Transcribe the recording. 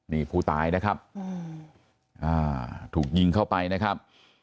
นี่ผู้ตายนะครับถูกยิงเข้าไปนะครับ